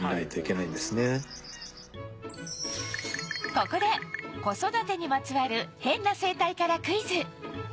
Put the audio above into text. ここで子育てにまつわるヘンな生態からクイズ